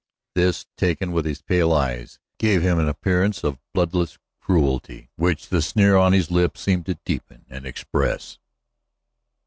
This, taken with his pale eyes, gave him an appearance of bloodless cruelty which the sneer on his lip seemed to deepen and express.